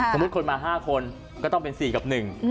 สมมุติคนมา๕คนก็ต้องเป็น๔กับ๑